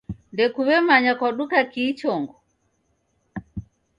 Ndekuw'emanya kwaduka kii chongo?